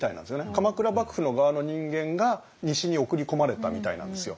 鎌倉幕府の側の人間が西に送り込まれたみたいなんですよ。